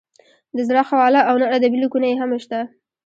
د زړه خواله او نور ادبي لیکونه یې هم شته.